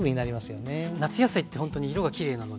夏野菜ってほんとに色がきれいなので。